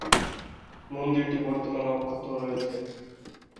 মন্দিরটি বর্তমানে অক্ষত রয়েছে।